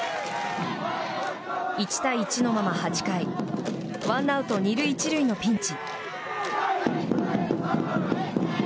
１対１のまま、８回ワンアウト２塁１塁のピンチ。